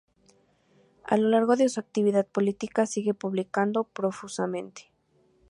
A lo largo de su actividad política sigue publicando profusamente.